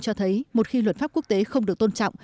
cho thấy một khi luật pháp quốc tế không được tôn trọng